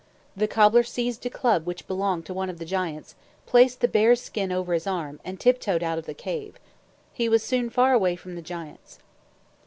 The cobbler seized a club which belonged to one of the giants, placed the bear's skin over his arm, and tiptoed out of the cave. He was soon far away from the giants.